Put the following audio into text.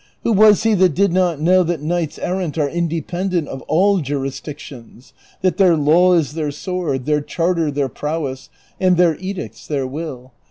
Who was he that did not know that knights errant are independent of all jurisdictions, that their law is their sword, their charter their prowess, and their edicts their will